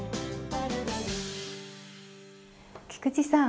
菊池さん